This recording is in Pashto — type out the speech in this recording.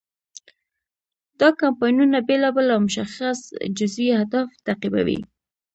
دا کمپاینونه بیلابیل او مشخص جزوي اهداف تعقیبوي.